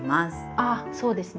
あっそうですね。